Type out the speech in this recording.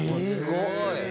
すごい！